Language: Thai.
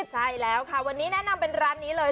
ใช่แล้วค่ะวันนี้แนะนำเป็นร้านนี้เลย